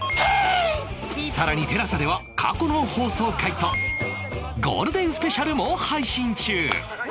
更に ＴＥＬＡＳＡ では過去の放送回とゴールデンスペシャルも配信中